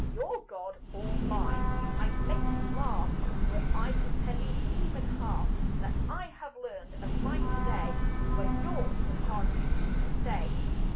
Your God, or mine? I'd make you laugh Were I to tell you even half That I have learned of mine today Where yours would hardly seem to stay.